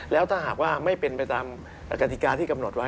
แล้วถ้าหากว่าไม่เป็นไปตามกฎิกาที่กำหนดไว้